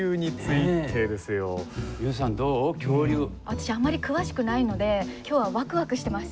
私あまり詳しくないので今日はわくわくしてます。